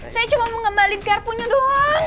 saya cuma mau ngembalik garpunya doang